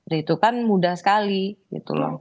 nah itu kan mudah sekali gitu loh